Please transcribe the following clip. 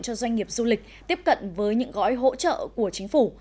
cho doanh nghiệp du lịch tiếp cận với những gói hỗ trợ của chính phủ